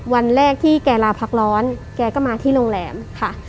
วันแรกที่แกลาพักร้อนแกก็มาที่โรงแรมค่ะ